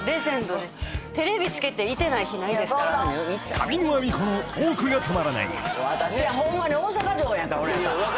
［上沼恵美子のトークが止まらない］